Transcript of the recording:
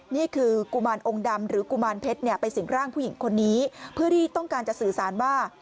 นี่คือกุมารองค์ดำหรือกุมารเพชรไปสิ่งร่างผู้หญิงคนนี้เพื่อที่ต้องการจะสื่อสารว่า